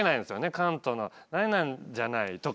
関東の「何々じゃない！」とか。